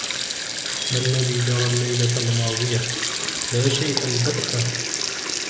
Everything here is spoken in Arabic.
”ما الذي جرى الليلة الماضية؟“ ”لا شيء البتة.“